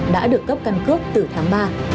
đã được cấp căn cước từ tháng ba